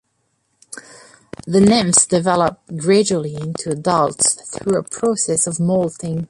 The nymphs develop gradually into adults through a process of moulting.